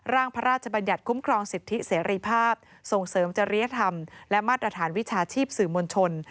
พระราชบัญญัติคุ้มครองสิทธิเสรีภาพส่งเสริมจริยธรรมและมาตรฐานวิชาชีพสื่อมวลชน